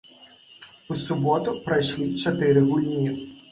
У суботу прайшлі чатыры гульні.